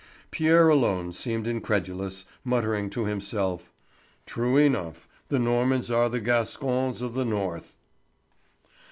Pierre alone seemed incredulous, muttering to himself: "True enough, the Normans are the Gascons of the north!"